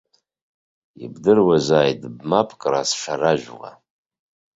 Ибдыруазааит бмапкра сшаражәуа.